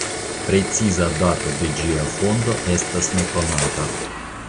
Preciza dato de ĝia fondo estas nekonata.